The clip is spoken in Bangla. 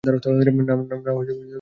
না, তুমি এসব কিছু করনি।